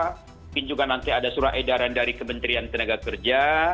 mungkin juga nanti ada surat edaran dari kementerian tenaga kerja